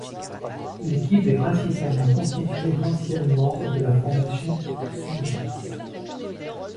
L'équipe est principalement constituée d'anciennes membres de la formation Sengers.